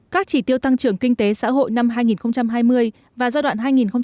các chỉ tiêu tăng trưởng kinh tế xã hội năm hai nghìn hai mươi và giai đoạn hai nghìn hai mươi một hai nghìn hai mươi